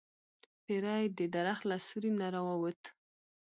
پیری د درخت له سوری نه راووت.